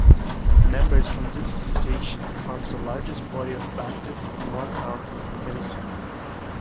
Members from this association form the largest body of Baptists in Moore County, Tennessee.